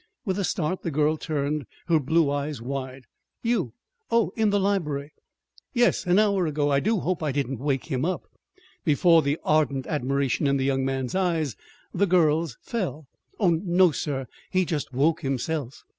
With a start the girl turned, her blue eyes wide. "You? Oh, in the library " "Yes; an hour ago. I do hope I didn't wake him up!" Before the ardent admiration in the young man's eyes, the girl's fell. "Oh, no, sir. He just woke himself."